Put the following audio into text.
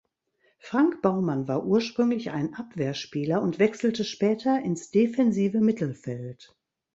Frank Baumann war ursprünglich ein Abwehrspieler und wechselte später ins defensive Mittelfeld.